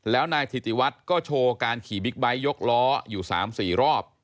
แล้วนายถิติวัฒน์ก็โชว์การขี่บิ๊กไบท์ยกล้ออยู่๓๔รอบ